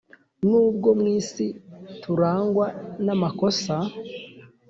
Nubwo mu isi turangwa namakosa